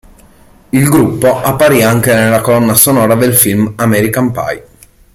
Il gruppo apparì anche nella colonna sonora del film "American Pie".